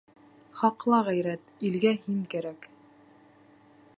Һаҡла ғәйрәт, илгә һин кәрәк!